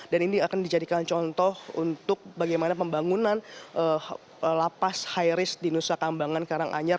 dan ini akan dijadikan contoh untuk bagaimana pembangunan lapas high risk di nusa kambangan karanganyar